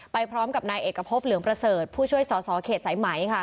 พร้อมกับนายเอกพบเหลืองประเสริฐผู้ช่วยสอสอเขตสายไหมค่ะ